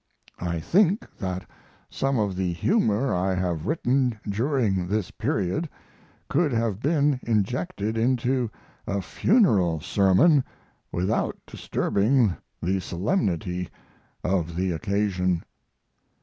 I think that some of the "humor" I have written during this period could have been injected into a funeral sermon without disturbing the solemnity of the occasion.